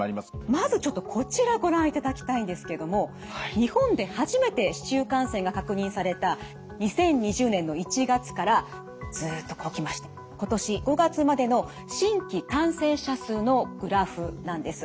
まずちょっとこちらご覧いただきたいんですけども日本で初めて市中感染が確認された２０２０年の１月からずっとこう来まして今年５月までの新規感染者数のグラフなんです。